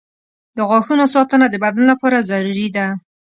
• د غاښونو ساتنه د بدن لپاره ضروري ده.